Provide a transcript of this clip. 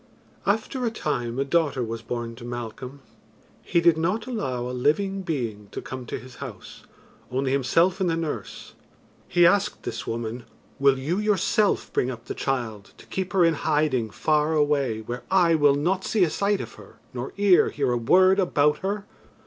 After a time a daughter was born to Malcolm, he did not allow a living being to come to his house, only himself and the nurse. He asked this woman, "Will you yourself bring up the child to keep her in hiding far away where eye will not see a sight of her nor ear hear a word about her?"